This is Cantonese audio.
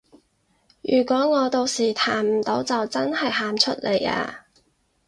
如果我到時彈唔到就真係喊出嚟啊